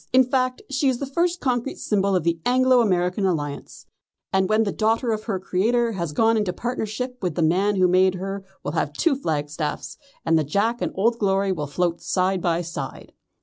In fact she is the first concrete symbol of the Anglo American Alliance, and when the daughter of her creator has gone into partnership with the man who made her we'll have two flagstaff's, and the Jack and Old Glory will float side by side."